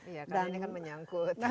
iya karena ini kan menyangkut